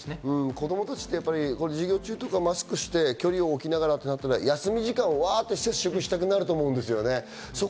子供たちって授業中とかマスクして距離を置きながらってなったら休み時間、ワ！って接触したくなると思うんです。